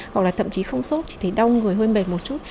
hoặc là thậm chí không sốt chỉ thấy đau người hơi mệt một chút